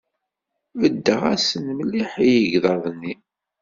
Beddeɣ-asen mliḥ i yegḍaḍ-nni.